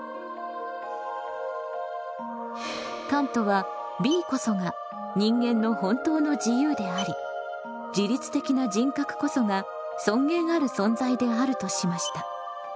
カントはＢこそが人間の本当の自由であり自律的な人格こそが尊厳ある存在であるとしました。